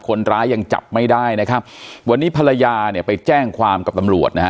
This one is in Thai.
คนร้ายยังจับไม่ได้นะครับวันนี้ภรรยาเนี่ยไปแจ้งความกับตำรวจนะฮะ